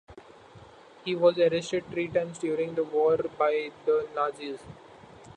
He was arrested three times during the war by the Nazis.